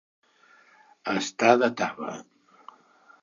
Estar de taba.